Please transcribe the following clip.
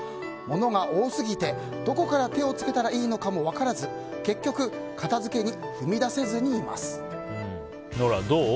物が多すぎてどこから手を付けたらいいのかも分からず結局、片付けに踏み出せずにいます。